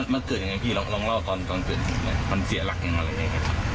มันเกิดยังไงพี่ลองเล่าตอนเสียหลักอย่างไร